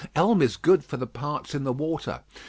Elm is good for the parts in the water.